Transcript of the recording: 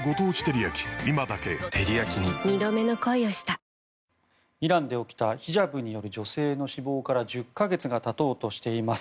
ポイントアップデーもイランで起きたヒジャブによる女性の死亡から１０か月が経とうとしています。